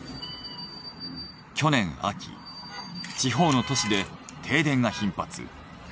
去年秋地方の都市で停電が頻発。